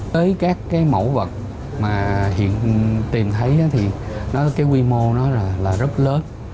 tới các cái mẫu vật mà hiện tìm thấy thì cái quy mô nó là rất lớn